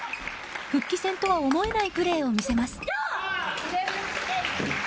復帰戦とは思えないプレーを見せます。